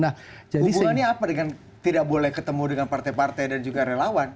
nah hubungannya apa dengan tidak boleh ketemu dengan partai partai dan juga relawan